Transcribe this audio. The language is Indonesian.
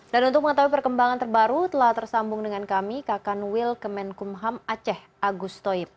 dan untuk mengetahui perkembangan terbaru telah tersambung dengan kami kakan wil kemenkumham aceh agus toib